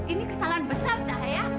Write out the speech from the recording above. ini kesalahan besar cahaya